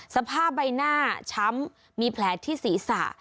สภาพใบหน้าช้ำมีแผลที่ศีรษะ